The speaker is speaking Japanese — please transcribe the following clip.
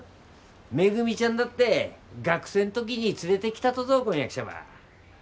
めぐみちゃんだって学生ん時に連れてきたとぞ婚約者ば。